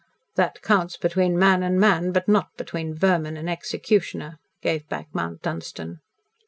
"That counts between man and man, but not between vermin and executioner," gave back Mount Dunstan.